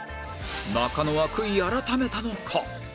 中野は悔い改めたのか？